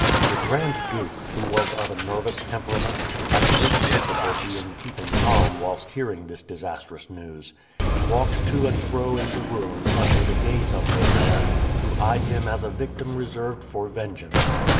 The Grand Duke, who was of a nervous temperament, had great difficulty in keeping calm whilst hearing this disastrous news. He walked to and fro in the room, under the gaze of Ogareff, who eyed him as a victim reserved for vengeance.